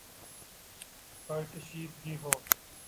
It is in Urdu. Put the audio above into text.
پر کشیدگی ہو،